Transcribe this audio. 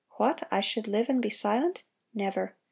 What! I should live and be silent?... Never!